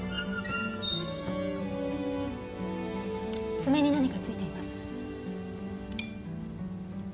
爪に何かついています。